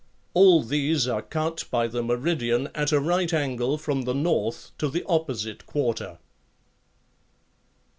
All these are cut by the meridian at a right angle from the north to the opposite quarter.